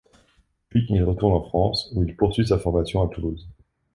Puis il retourne en France où il poursuit sa formation à Toulouse.